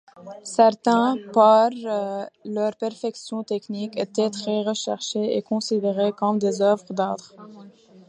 Certains, par leur perfection technique, étaient très recherchés et considérés comme des œuvres d'art.